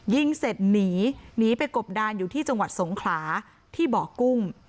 ยิงเสร็จหนีหนีไปกบดานอยู่ที่จังหวัดสงขลาที่บ่อกุ้ง